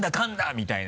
みたいな。